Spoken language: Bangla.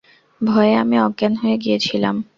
ভয়ে আমি অজ্ঞান হয়ে গিয়েছিলাম।